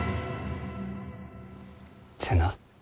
瀬名。